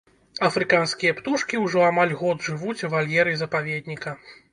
Афрыканскія птушкі ўжо амаль год жывуць у вальеры запаведніка.